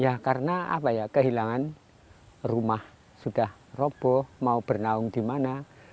ya karena apa ya kehilangan rumah sudah roboh mau bernaung di mana